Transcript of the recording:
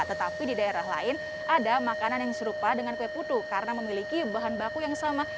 tetapi di daerah lain ada makanan yang serupa dengan kue putu karena memiliki bahan baku yang sama